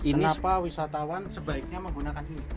kenapa wisatawan sebaiknya menggunakan ini